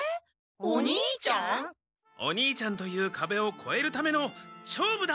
お兄ちゃんというかべをこえるための「勝負だ！」